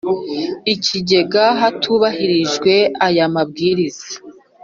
ikigega hatubahirijwe aya Mabwiriza